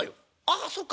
「ああそっか。